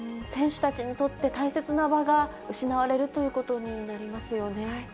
選手たちにとって、大切な場が失われるということになりますよね。